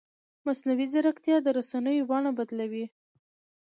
مصنوعي ځیرکتیا د رسنیو بڼه بدلوي.